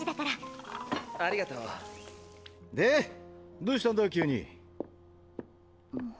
どうしたんだ急に？。